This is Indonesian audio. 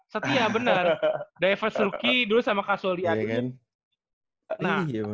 setia benar diverse rookie dulu sama kasul yadin